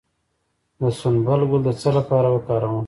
د سنبل ګل د څه لپاره وکاروم؟